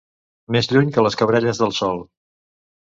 Més lluny que les cabrelles del sol.